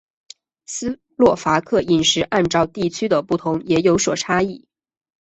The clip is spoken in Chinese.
斯洛伐克饮食按照地区的不同也有所差异。